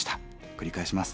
繰り返します。